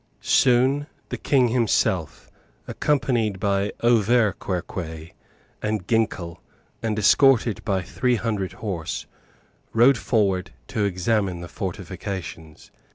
Soon the King himself, accompanied by Auverquerque and Ginkell, and escorted by three hundred horse, rode forward to examine the fortifications.